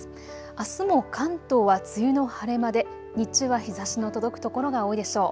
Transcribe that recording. あすも関東は梅雨の晴れ間で日中は日ざしの届く所が多いでしょう。